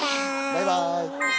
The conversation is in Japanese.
バイバーイ。